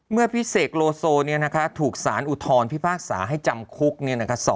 เมื่อพี่เศกโลโซเนี่ยนะคะถูกสารอุทรพิพากษาให้จำคุกเนี่ยนะคะ